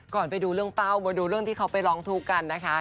ไปดูเรื่องเป้ามาดูเรื่องที่เขาไปร้องทุกข์กันนะคะ